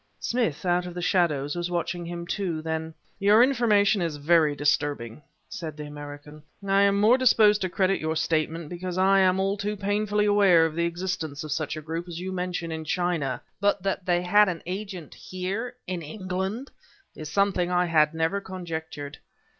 Smith, out of the shadows, was watching him, too. Then: "Your information is very disturbing," said the American. "I am the more disposed to credit your statement because I am all too painfully aware of the existence of such a group as you mention, in China, but that they had an agent here in England is something I had never conjectured.